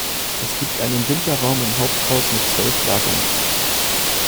Es gibt einen Winterraum im Haupthaus mit zwölf Lagern.